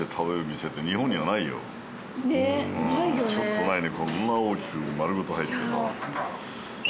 うんちょっとないね